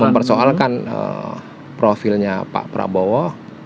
mempersoalkan profilnya pak prabowo